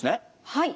はい。